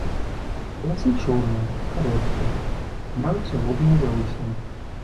Валасы чорныя, кароткія, маюцца лобныя залысіны.